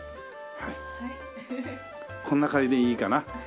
はいこんなくらいでいいかな？